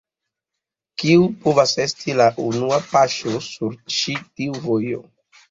Kiu povas esti la unua paŝo sur ĉi tiu vojo?